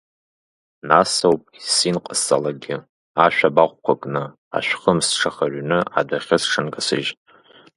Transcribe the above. Нас ауп есинҟасҵалакгьы, ашә абаҟәқәа кны, ашәхымс сҽахырҩрны адәахьы сҽанкасыжь.